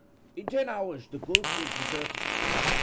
In ten hours the gulch was deserted.